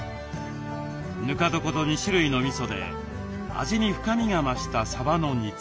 ぬか床と２種類のみそで味に深みが増したさばの煮付け。